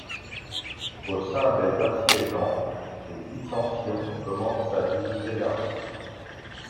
Au sein des assiégeants, les dissensions commencent à diviser l’armée.